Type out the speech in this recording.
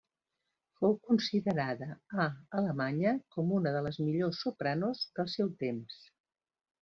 Fou considerada a Alemanya com una de les millors sopranos del seu temps.